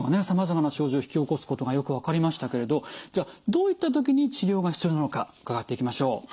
さまざまな症状引き起こすことがよく分かりましたけれどじゃあどういった時に治療が必要なのか伺っていきましょう。